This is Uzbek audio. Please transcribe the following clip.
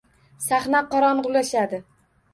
Sahna qorong‘ilashadi…